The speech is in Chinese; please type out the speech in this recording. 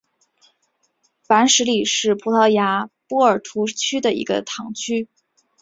凡泽里什是葡萄牙波尔图区的一个堂区。